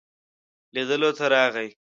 لیدلو ته راغی.